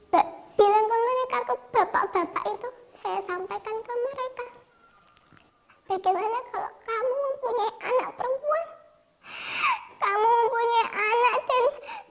bila mereka ke bapak bapak itu saya sampaikan ke mereka